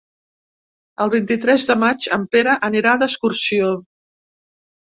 El vint-i-tres de maig en Pere anirà d'excursió.